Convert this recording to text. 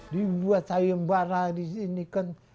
dibuat sayembara di sini kan